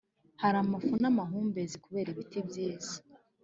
hari amafu n’amahumbezi kubera ibiti byiza